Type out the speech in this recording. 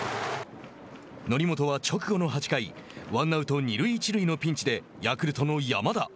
則本は直後の８回ワンアウト、二塁一塁のピンチでヤクルトの山田。